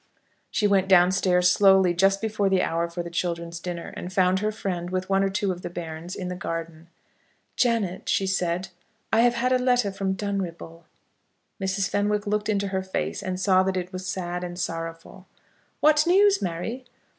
She went down stairs, slowly, just before the hour for the children's dinner, and found her friend, with one or two of the bairns, in the garden. "Janet," she said, "I have had a letter from Dunripple." Mrs. Fenwick looked into her face, and saw that it was sad and sorrowful. "What news, Mary?"